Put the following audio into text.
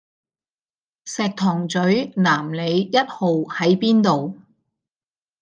石塘嘴南里壹號喺邊度？